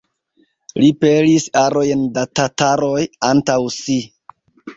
Li pelis arojn da tataroj antaŭ si.